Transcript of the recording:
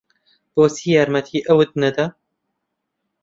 بۆچی یارمەتی ئەوت نەدا؟